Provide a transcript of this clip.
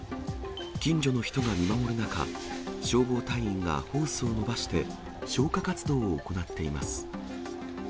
近所の人が見守る中、消防隊員がホースを伸ばして、消火活動を行っています。